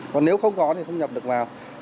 còn nếu không có thì không nhập được vào